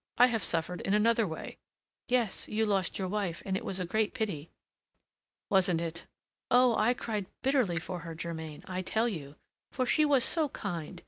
I have suffered in another way." "Yes, you lost your wife, and it was a great pity!" "Wasn't it?" "Oh! I cried bitterly for her, Germain, I tell you! for she was so kind!